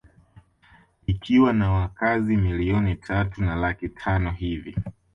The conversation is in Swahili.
Likiwa na wakazi milioni tatu na laki tano hivi